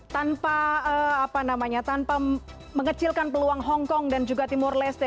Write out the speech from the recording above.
tanpa apa namanya tanpa mengecilkan peluang hongkong dan juga timur leste